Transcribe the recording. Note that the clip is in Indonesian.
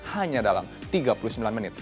hanya dalam tiga jam